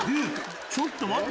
ちょっと待って！